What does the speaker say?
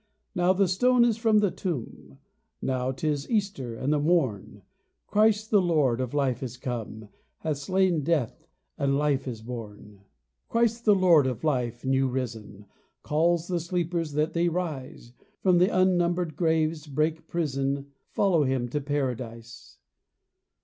Now the stone is from the tomb ! Now 'tis Easter and the morn ! Christ the Lord of Life is come, Hath slain Death, and Life is born. 80 FLOWER OF YOUTH Christ the Lord of Life new risen, Calls the sleepers that they rise From the unnumbered graves, break prison, Follow Him to Paradise.